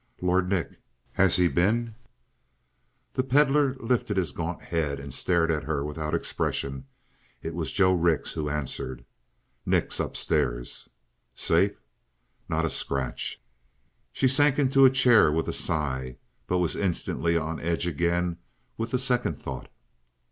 "Lord Nick has he been " The Pedlar lifted his gaunt head and stared at her without expression. It was Joe Rix who answered. "Nick's upstairs." "Safe?" "Not a scratch." She sank into a chair with a sigh, but was instantly on edge again with the second thought.